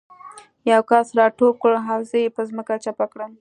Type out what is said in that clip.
یو کس را ټوپ کړ او زه یې په ځمکه چپه کړم